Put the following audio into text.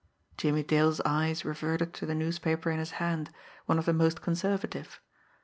Jimmie Dale's eyes reverted to the newspaper in his hand, one of the most conservative.